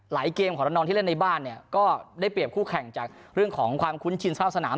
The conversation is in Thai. เกมของน้องที่เล่นในบ้านเนี่ยก็ได้เปรียบคู่แข่งจากเรื่องของความคุ้นชินรอบสนาม